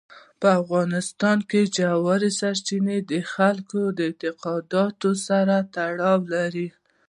په افغانستان کې ژورې سرچینې د خلکو د اعتقاداتو سره تړاو لري.